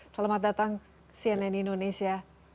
selamat datang cnn indonesia